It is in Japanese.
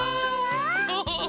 ウフフフ！